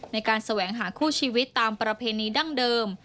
ในการแสวงหาคู่ชีวิตตามประเพณีดั้งเดิม